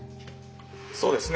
そうですね。